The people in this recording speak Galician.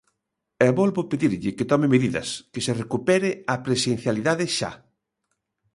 E volvo pedirlle que tome medidas, que se recupere a presencialidade xa.